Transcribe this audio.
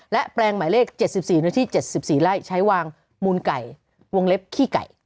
และแปลงหมายเลข๗๔เนื้อที่๗๔ไร่ใช้วางมูลไก่วงเล็บขี้ไก่